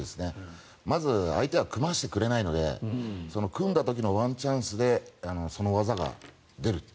まず、相手は組ませてくれないので組んだ時のワンチャンスでその技が出る。